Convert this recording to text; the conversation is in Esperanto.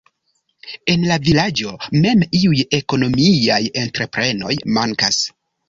En la vilaĝo mem iuj ekonomiaj entreprenoj mankas.